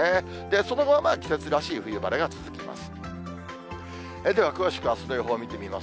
そのまま季節らしい冬晴れが続きます。